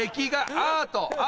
アート！